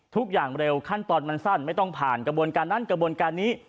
ทุกอย่างเร็วขั้นตอนมันสั้นไม่ต้องผ่านกระบวนการนั้นกระบวนการนี้